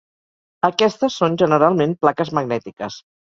Aquestes són generalment plaques magnètiques.